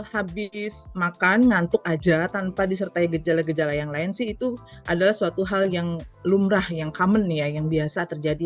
habis makan ngantuk aja tanpa disertai gejala gejala yang lain sih itu adalah suatu hal yang lumrah yang common ya yang biasa terjadi